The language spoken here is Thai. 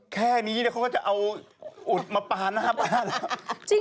แค่นี้เขาก็จะเอาอุดมาปลาหน้าป้าแล้ว